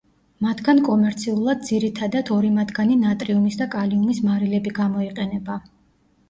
მათგან კომერციულად ძირითადათ ორი მათგანი ნატრიუმის და კალიუმის მარილები გამოიყენება.